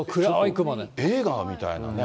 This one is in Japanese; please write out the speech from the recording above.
映画みたいなね。